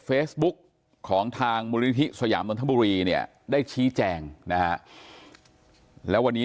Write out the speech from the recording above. เฟซบุ๊กของทางมูลนิธิสยามนนทบุรีเนี่ยได้ชี้แจงนะฮะแล้ววันนี้